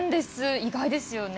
意外ですよね。